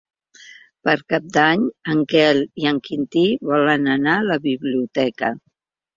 Per Cap d'Any en Quel i en Quintí volen anar a la biblioteca.